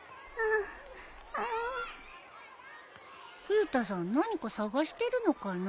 冬田さん何か捜してるのかな？